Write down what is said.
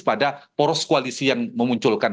pada poros koalisi yang memunculkan